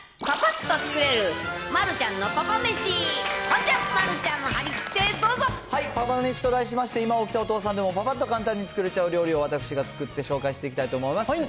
ほんじゃ、丸ちゃんもパパめしと題しまして、今起きたお父さんでも、ぱぱっと簡単に作れちゃう料理を私が作って紹介していきたいと思います。